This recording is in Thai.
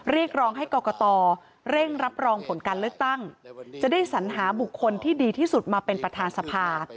เรียกร้องให้กรกตเร่งรับรองผลการเลือกตั้งจะได้สัญหาบุคคลที่ดีที่สุดมาเป็นประธานสภา